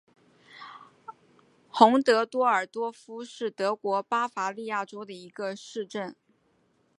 洪德尔多尔夫是德国巴伐利亚州的一个市镇。